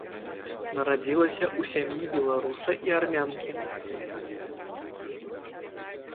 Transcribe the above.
Нарадзілася ў сям'і беларуса і армянкі.